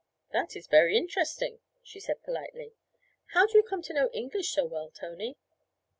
'That is very interesting,' she said politely. 'How do you come to know English so well, Tony?'